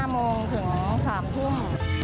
๕โมงถึง๓ทุ่ม